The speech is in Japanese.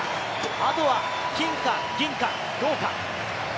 あとは金か銀か銅か。